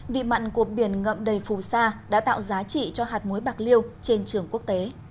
vị mặn của biển ngậm đầy phù sa đã tạo giá trị cho hạt muối bạc liêu trên trường quốc tế